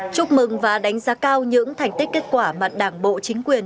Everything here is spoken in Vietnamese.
chúc mừng và đánh giá cao những thành tích kết quả mà đảng bộ chính quyền